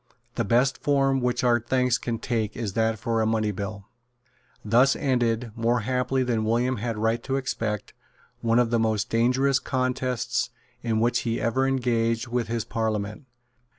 The best form which our thanks can take is that of a money bill." Thus ended, more happily than William had a right to expect, one of the most dangerous contests in which he ever engaged with his Parliament.